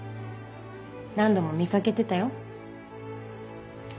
何度も見掛けてたよ。